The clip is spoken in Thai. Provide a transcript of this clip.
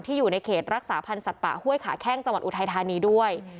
อยู่ในเขตรักษาพันธ์สัตว์ป่าห้วยขาแข้งจังหวัดอุทัยธานีด้วย